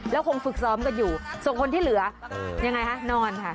แล้วคงฝึกซ้อมกันอยู่ส่วนคนที่เหลือยังไงคะนอนค่ะ